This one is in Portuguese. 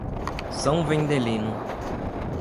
São Vendelino